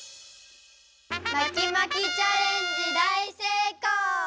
まきまきチャレンジだいせいこう！